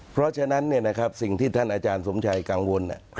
เพราะฉะนั้นสิ่งที่ท่านอาจารย์สมชัยกังวล